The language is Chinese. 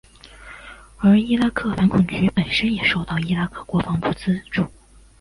而伊拉克反恐局本身也受到伊拉克国防部资助。